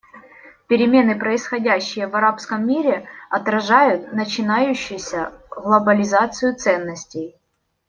Перемены, происходящие в арабском мире, отражают начинающуюся глобализацию ценностей.